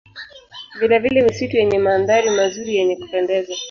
Vilevile misitu yenye mandhari mazuri yenye kupendeza